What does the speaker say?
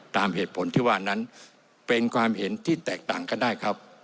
ตามเหตุผลที่ว่านั้นเป็นความเห็นที่แตกต่างกันได้ครับ